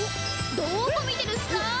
どこ見てるんすか？